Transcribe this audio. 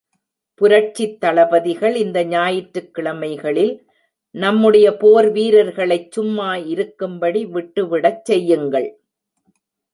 புரட்சித் தளபதிகள் இந்த ஞாயிற்றுக் கிழமைகளில், நம்முடைய போர் வீரர்களைச் சும்மா இருக்கும்படி விட்டு விடச் செய்யுங்கள்.